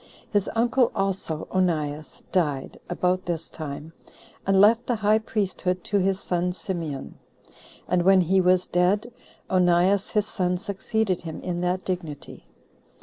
His uncle also, Onias, died [about this time], and left the high priesthood to his son Simeon. And when he was dead, Onias his son succeeded him in that dignity.